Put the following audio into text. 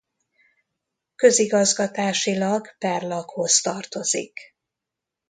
Közigazgatásilag Perlakhoz tartozik.